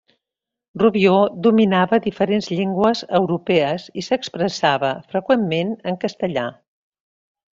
Rubió dominava diferents llengües europees i s'expressava freqüentment en castellà.